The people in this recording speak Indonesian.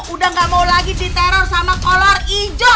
udah nggak mau lagi diteror sama kolor ijo